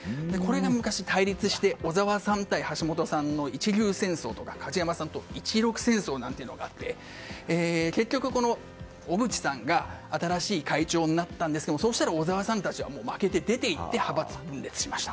昔、対立して小澤さん対橋本さんの一龍戦争とか、一六戦争があって結局、小渕さんが新しい会長になったんですがそうしたら小沢さんたちは負けて出て行って派閥は分裂しました。